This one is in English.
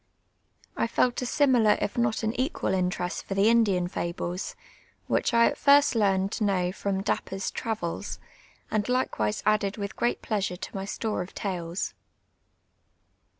I felt a similar if not an equal interest for the Indian fables, which I at tirst learned to know from I)apj)er's IruvfLs, and likewise added with «;reat pleasure to my store of tales.